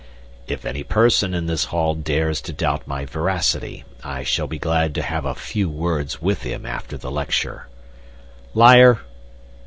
"If any person in this hall dares to doubt my veracity, I shall be glad to have a few words with him after the lecture." ("Liar!")